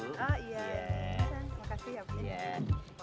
terima kasih ya bu